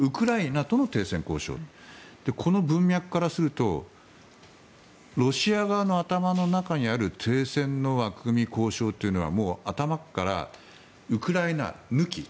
この文脈からするとロシア側の頭の中にある停戦の枠組み交渉というのはもう頭からウクライナ抜き。